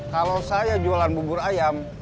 kalau saya jualan bubur ayam